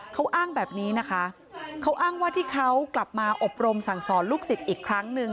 เขาอ้างแบบนี้นะคะเขาอ้างว่าที่เขากลับมาอบรมสั่งสอนลูกศิษย์อีกครั้งหนึ่ง